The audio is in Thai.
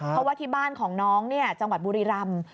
เพราะว่าที่บ้านของน้องจังหวัดบุรีรำ